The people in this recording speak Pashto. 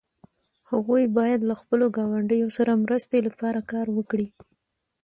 هغوی باید له خپلو ګاونډیو سره مرستې لپاره کار وکړي.